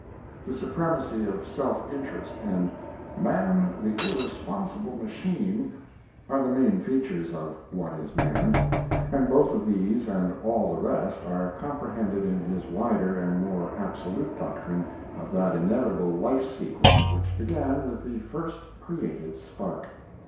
The supremacy of self interest and "man the irresponsible machine" are the main features of 'What Is Man' and both of these and all the rest are comprehended in his wider and more absolute doctrine of that inevitable life sequence which began with the first created spark.